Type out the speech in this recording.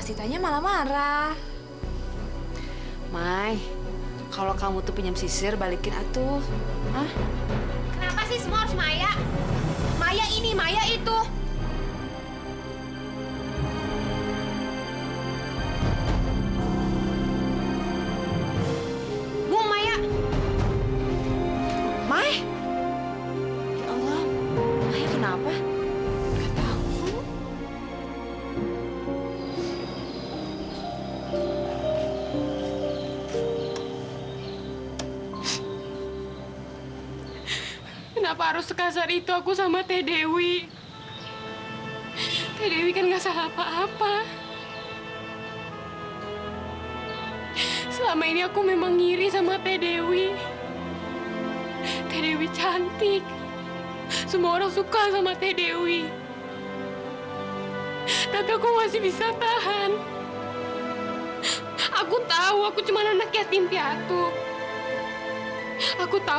sampai jumpa di video selanjutnya